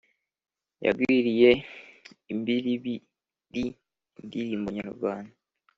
Yagwiriye imbiribiri indirimbo nyarwanda